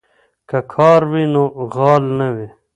که کار وي نو غال نه وي.